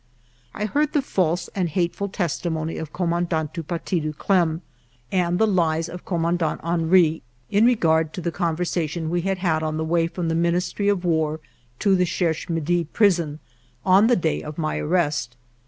I heard the false and hateful testimony of Commandant du Paty du Clam and the lies of Commandant Henry in regard to the conversa tion we had had on the way from the Ministry of War to the Cherche Midi Prison on the day of my arrest.